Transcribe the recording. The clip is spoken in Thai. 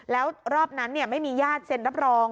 แล้วรอบนั้นไม่มีญาติเซ็นรับรอง